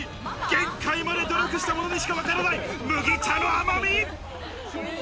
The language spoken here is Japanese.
限界まで努力した者にしかわからない、麦茶の甘み。